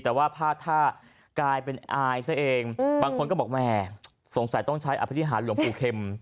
แต่ว่าพลาดท่ากลายเป็นอายซะเองบางคนก็บอกแม่สงสัยต้องใช้อภิหารหลวงปู่เข็ม